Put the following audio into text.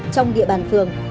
trong địa bàn phường